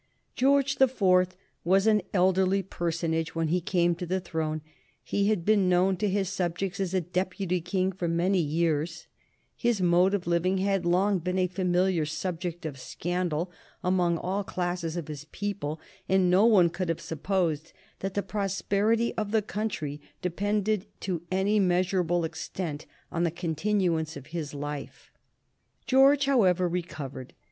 George the Fourth was an elderly personage when he came to the throne, he had been known to his subjects as a deputy King for many years, his mode of living had long been a familiar subject of scandal among all classes of his people, and no one could have supposed that the prosperity of the country depended to any measurable extent on the continuance of his life. [Sidenote: 1820 Lord Liverpool's Administration] George, however, recovered.